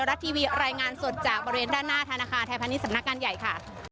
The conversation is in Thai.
รายงานสดจากบริเวณด้านหน้าทางธานาคารไทยพาณีสำนักการใหญ่ค่ะ